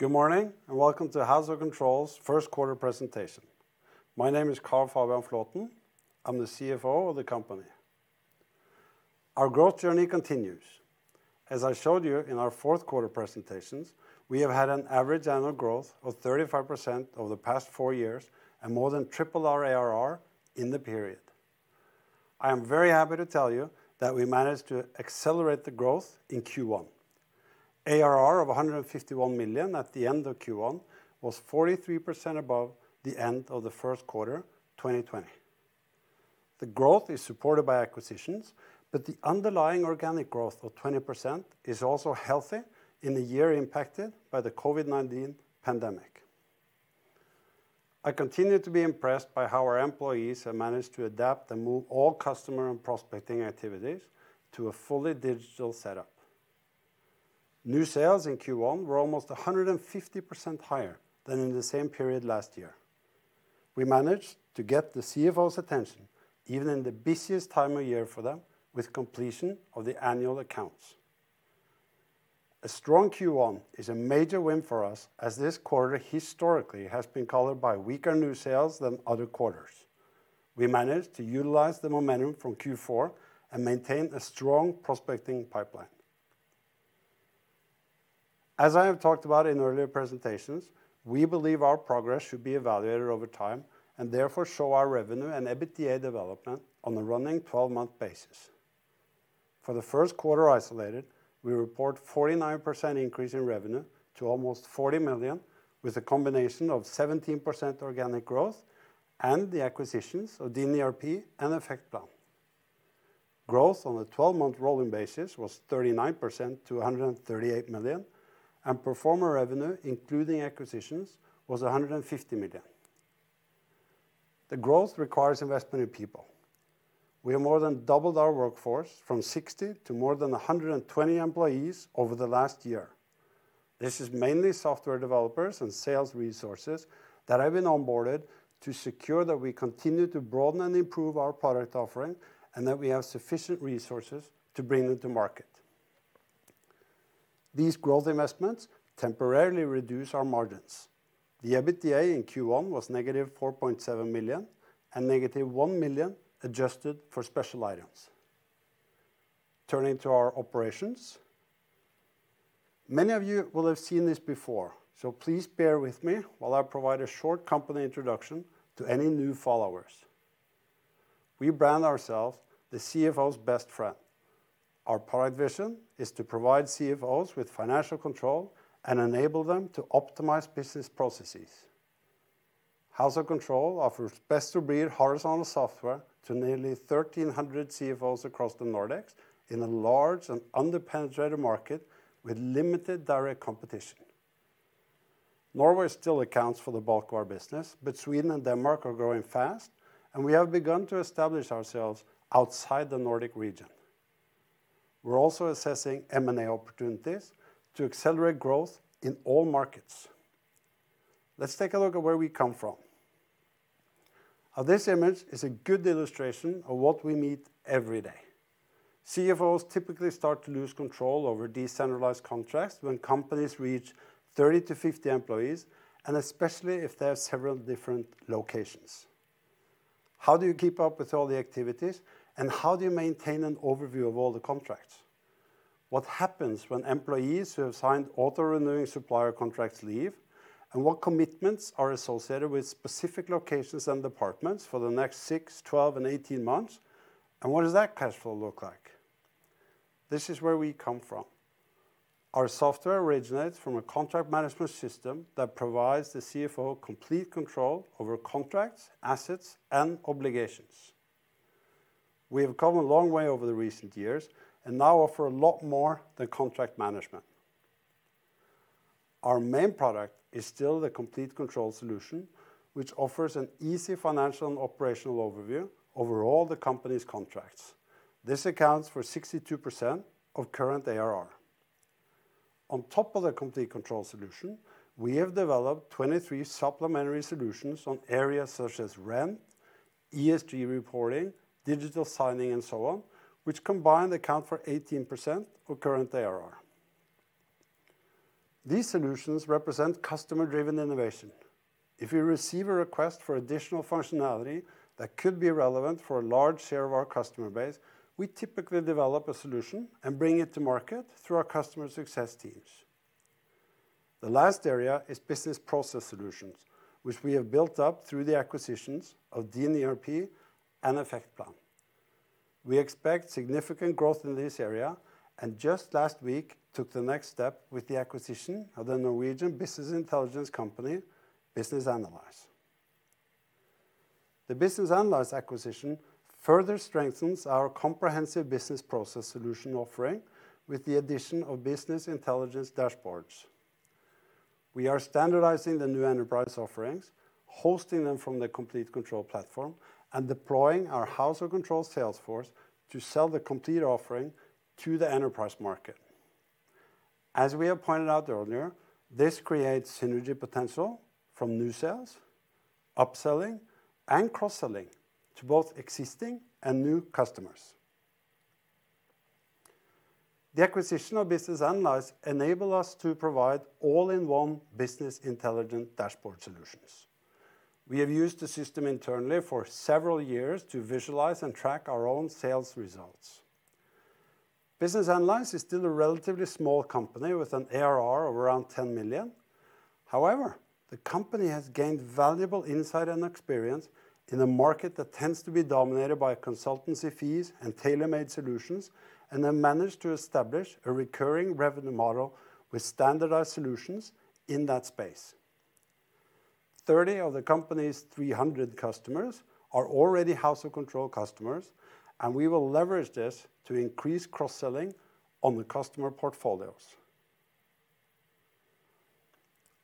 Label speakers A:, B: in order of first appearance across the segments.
A: Good morning, welcome to House of Control's Q1 presentation. My name is Carl Fabian Flaaten. I'm the CFO of the company. Our growth journey continues. As I showed you in our Q4 presentations, we have had an average annual growth of 35% over the past four years and more than triple our ARR in the period. I am very happy to tell you that we managed to accelerate the growth in Q1. ARR of 151 million at the end of Q1 was 43% above the end of the Q1 2020. The growth is supported by acquisitions, the underlying organic growth of 20% is also healthy in a year impacted by the COVID-19 pandemic. I continue to be impressed by how our employees have managed to adapt and move all customer and prospecting activities to a fully digital setup. New sales in Q1 were almost 150% higher than in the same period last year. We managed to get the CFO's attention, even in the busiest time of year for them, with completion of the annual accounts. A strong Q1 is a major win for us, as this quarter historically has been colored by weaker new sales than other quarters. We managed to utilize the momentum from Q4 and maintain a strong prospecting pipeline. As I have talked about in earlier presentations, we believe our progress should be evaluated over time and therefore show our revenue and EBITDA development on a running 12-month basis. For the Q1 isolated, we report 49% increase in revenue to almost 40 million, with a combination of 17% organic growth and the acquisitions of DinERP and Effectplan. Growth on the 12-month rolling basis was 39% to 138 million, and pro forma revenue, including acquisitions, was 150 million. The growth requires investment in people. We have more than doubled our workforce from 60 to more than 120 employees over the last year. This is mainly software developers and sales resources that have been onboarded to secure that we continue to broaden and improve our product offering and that we have sufficient resources to bring them to market. These growth investments temporarily reduce our margins. The EBITDA in Q1 was -4.7 million and -1 million adjusted for special items. Turning to our operations. Many of you will have seen this before, so please bear with me while I provide a short company introduction to any new followers. We brand ourselves the CFO's best friend. Our product vision is to provide CFOs with financial control and enable them to optimize business processes. House of Control offers best-of-breed horizontal software to nearly 1,300 CFOs across the Nordics in a large and under-penetrated market with limited direct competition. Norway still accounts for the bulk of our business, but Sweden and Denmark are growing fast, and we have begun to establish ourselves outside the Nordic region. We're also assessing M&A opportunities to accelerate growth in all markets. Let's take a look at where we come from. This image is a good illustration of what we meet every day. CFOs typically start to lose control over decentralized contracts when companies reach 30 to 50 employees, and especially if there are several different locations. How do you keep up with all the activities, and how do you maintain an overview of all the contracts? What happens when employees who have signed auto-renewing supplier contracts leave? What commitments are associated with specific locations and departments for the next six, 12, and 18 months? What does that cash flow look like? This is where we come from. Our software originates from a contract management system that provides the CFO complete control over contracts, assets, and obligations. We have come a long way over the recent years and now offer a lot more than contract management. Our main product is still the Complete Control solution, which offers an easy financial and operational overview over all the company's contracts. This accounts for 62% of current ARR. On top of the Complete Control solution, we have developed 23 supplementary solutions on areas such as REM, ESG reporting, digital signing, and so on, which combined account for 18% of current ARR. These solutions represent customer-driven innovation. If we receive a request for additional functionality that could be relevant for a large share of our customer base, we typically develop a solution and bring it to market through our customer success teams. The last area is business process solutions, which we have built up through the acquisitions of DinERP and Effectplan. We expect significant growth in this area and just last week took the next step with the acquisition of the Norwegian business intelligence company Business Analyze. The Business Analyze acquisition further strengthens our comprehensive business process solution offering with the addition of business intelligence dashboards. We are standardizing the new enterprise offerings, hosting them from the Complete Control platform, and deploying our House of Control sales force to sell the complete offering to the enterprise market. As we have pointed out earlier, this creates synergy potential from new sales, upselling, and cross-selling to both existing and new customers. The acquisition of Business Analyze enable us to provide all-in-one business intelligence dashboard solutions. We have used the system internally for several years to visualize and track our own sales results. Business Analyze is still a relatively small company with an ARR of around 10 million. The company has gained valuable insight and experience in a market that tends to be dominated by consultancy fees and tailor-made solutions, and have managed to establish a recurring revenue model with standardized solutions in that space. 30 of the company's 300 customers are already House of Control customers, and we will leverage this to increase cross-selling on the customer portfolios.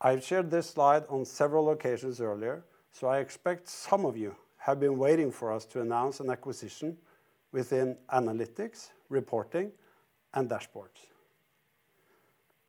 A: I've shared this slide on several occasions earlier, so I expect some of you have been waiting for us to announce an acquisition within analytics, reporting, and dashboards.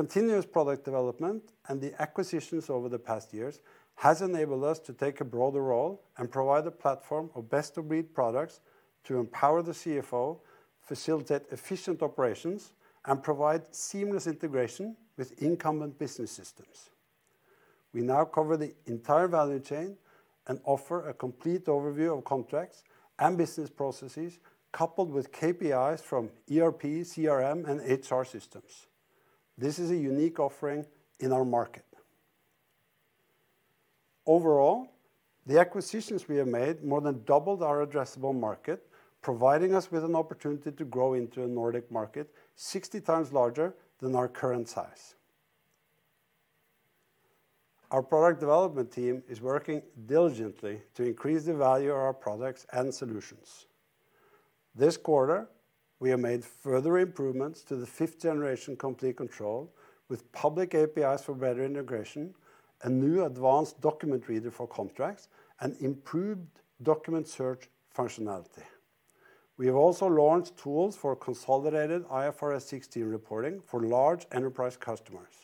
A: Continuous product development and the acquisitions over the past years has enabled us to take a broader role and provide a platform of best-of-breed products to empower the CFO, facilitate efficient operations, and provide seamless integration with incumbent business systems. We now cover the entire value chain and offer a complete overview of contracts and business processes, coupled with KPIs from ERP, CRM, and HR systems. This is a unique offering in our market. Overall, the acquisitions we have made more than doubled our addressable market, providing us with an opportunity to grow into a Nordic market 60 times larger than our current size. Our product development team is working diligently to increase the value of our products and solutions. This quarter, we have made further improvements to the fifth generation Complete Control, with public APIs for better integration, a new advanced document reader for contracts, and improved document search functionality. We have also launched tools for consolidated IFRS 16 reporting for large enterprise customers,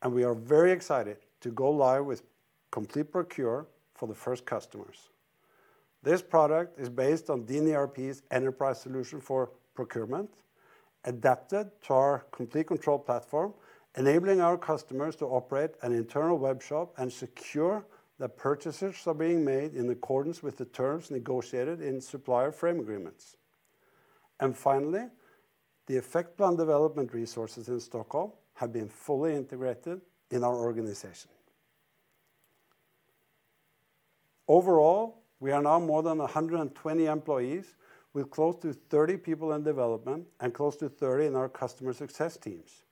A: and we are very excited to go live with Complete Control for the first customers. This product is based on DinERP's enterprise solution for procurement, adapted to our Complete Control platform, enabling our customers to operate an internal web shop and secure that purchases are being made in accordance with the terms negotiated in supplier frame agreements. Finally, the Effectplan development resources in Stockholm have been fully integrated in our organization. Overall, we are now more than 120 employees, with close to 30 people in development and close to 30 in our customer success teams.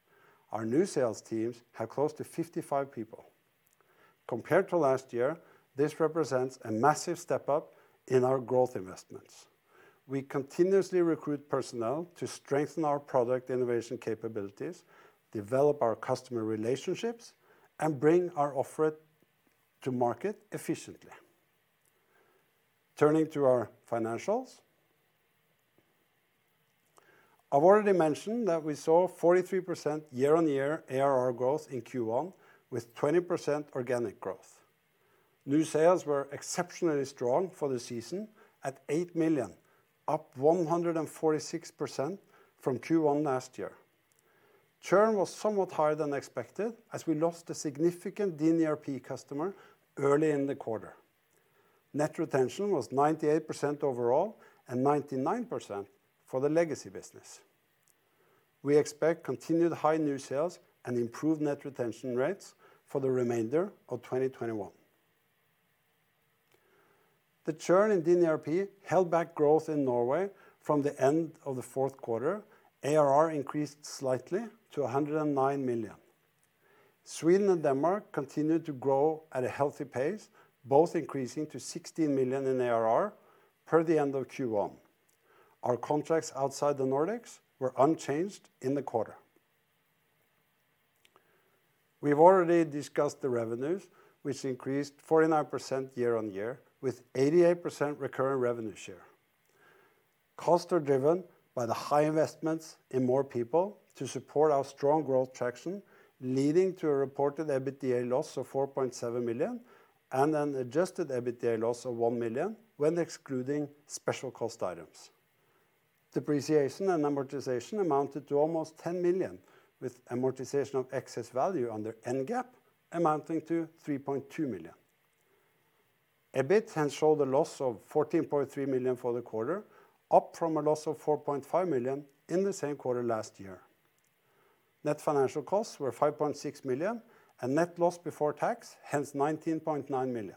A: Our new sales teams have close to 55 people. Compared to last year, this represents a massive step up in our growth investments. We continuously recruit personnel to strengthen our product innovation capabilities, develop our customer relationships, and bring our offer to market efficiently. Turning to our financials. I've already mentioned that we saw 43% year-on-year ARR growth in Q1, with 20% organic growth. New sales were exceptionally strong for the season at 8 million, up 146% from Q1 last year. Churn was somewhat higher than expected, as we lost a significant DinERP customer early in the quarter. Net retention was 98% overall and 99% for the legacy business. We expect continued high new sales and improved net retention rates for the remainder of 2021. The churn in DinERP held back growth in Norway from the end of the Q4. ARR increased slightly to 109 million. Sweden and Denmark continued to grow at a healthy pace, both increasing to 16 million in ARR per the end of Q1. Our contracts outside the Nordics were unchanged in the quarter. We've already discussed the revenues, which increased 49% year-on-year with 88% recurring revenue share. Costs are driven by the high investments in more people to support our strong growth traction, leading to a reported EBITDA loss of 4.7 million and an adjusted EBITDA loss of 1 million when excluding special cost items. Depreciation and amortization amounted to almost 10 million, with amortization of excess value under NGAAP amounting to 3.2 million. EBIT hence show the loss of 14.3 million for the quarter, up from a loss of 4.5 million in the same quarter last year. Net financial costs were 5.6 million, and net loss before tax, hence 19.9 million.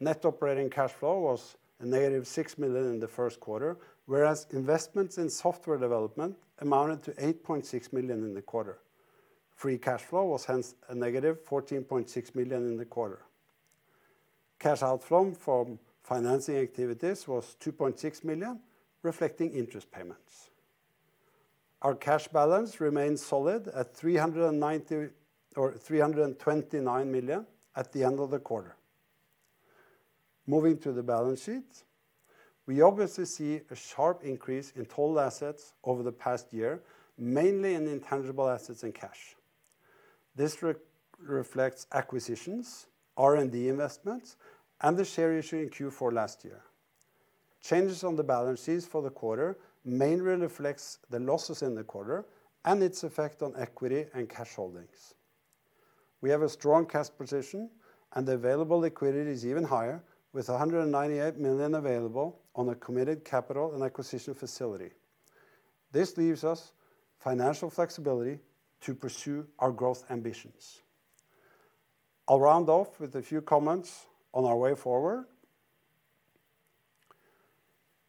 A: Net operating cash flow was a negative 6 million in the Q1, whereas investments in software development amounted to 8.6 million in the quarter. Free cash flow was hence a negative 14.6 million in the quarter. Cash outflow from financing activities was 2.6 million, reflecting interest payments. Our cash balance remains solid at 329 million at the end of the quarter. Moving to the balance sheet. We obviously see a sharp increase in total assets over the past year, mainly in intangible assets and cash. This reflects acquisitions, R&D investments, and the share issue in Q4 last year. Changes on the balance sheets for the quarter mainly reflects the losses in the quarter and its effect on equity and cash holdings. We have a strong cash position and the available liquidity is even higher with 198 million available on a committed capital and acquisition facility. This leaves us financial flexibility to pursue our growth ambitions. I'll round off with a few comments on our way forward.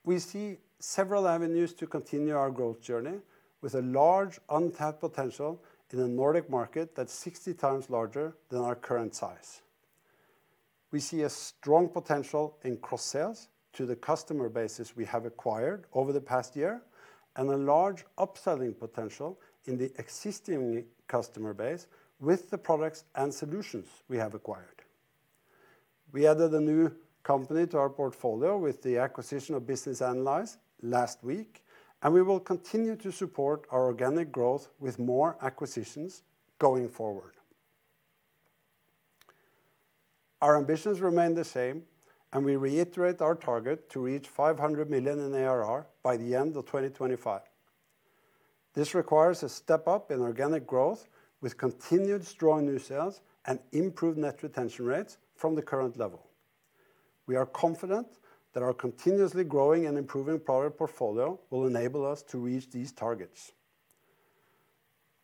A: We see several avenues to continue our growth journey with a large untapped potential in a Nordic market that's 60 times larger than our current size. We see a strong potential in cross-sales to the customer bases we have acquired over the past year, and a large upselling potential in the existing customer base with the products and solutions we have acquired. We added a new company to our portfolio with the acquisition of Business Analyze last week, and we will continue to support our organic growth with more acquisitions going forward. Our ambitions remain the same, and we reiterate our target to reach 500 million in ARR by the end of 2025. This requires a step up in organic growth with continued strong new sales and improved net retention rates from the current level. We are confident that our continuously growing and improving product portfolio will enable us to reach these targets.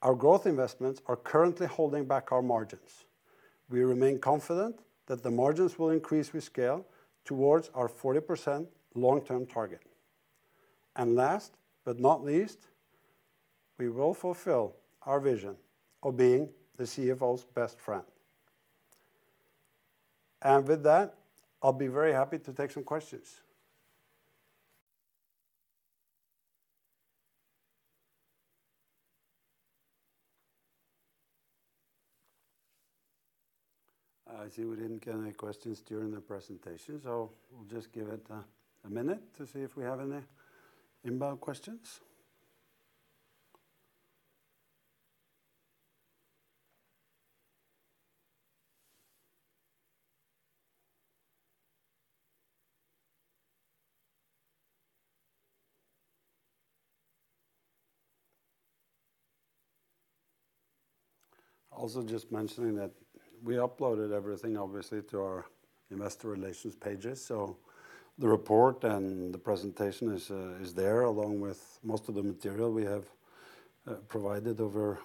A: Our growth investments are currently holding back our margins. We remain confident that the margins will increase with scale towards our 40% long-term target. Last but not least, we will fulfill our vision of being the CFO's best friend. With that, I'll be very happy to take some questions. I see we didn't get any questions during the presentation, we'll just give it a minute to see if we have any inbound questions. Also, just mentioning that we uploaded everything, obviously, to our investor relations pages, the report and the presentation is there, along with most of the material we have provided over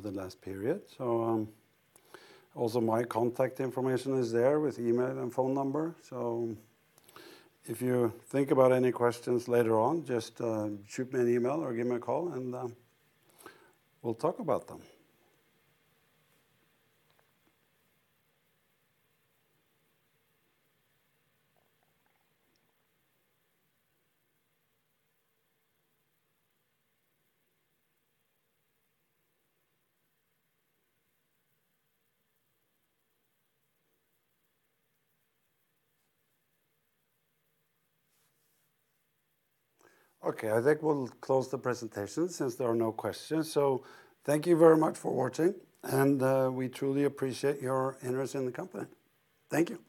A: the last period. My contact information is there with email and phone number. If you think about any questions later on, just shoot me an email or give me a call and we'll talk about them. Okay. I think we'll close the presentation since there are no questions. Thank you very much for watching, and we truly appreciate your interest in the company. Thank you.